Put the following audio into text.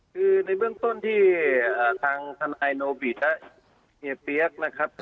คือในเบื้องต้นที่ทางทนายโนบิตและเฮียเปี๊ยกนะครับ